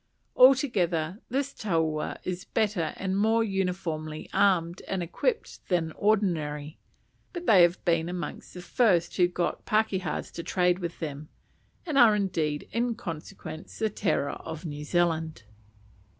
Altogether this taua is better and more uniformly armed and equipped than ordinary; but they have been amongst the first who got pakehas to trade with them, and are indeed in consequence the terror of New Zealand.